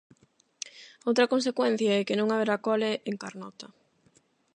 Outra consecuencia é que non haberá cole en Carnota.